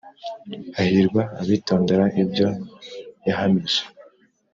Hahirwa abitondera ibyo yahamije